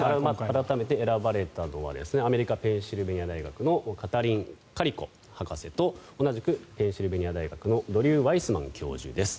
改めて、選ばれたのはアメリカ・ペンシルベニア大学のカタリン・カリコ博士と同じくペンシルベニア大学のドリュー・ワイスマン教授です。